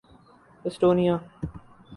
Estonia